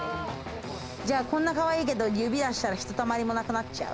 じゃあ、こんなにかわいいけど、指を出したら、ひとたまりもなくなっちゃう？